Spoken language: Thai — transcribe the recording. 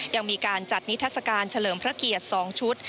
ยังมีการจัดนิทัศกาลเฉลิมพระเกียรติ๒ชุด